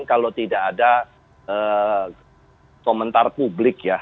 kalau tidak ada komentar publik ya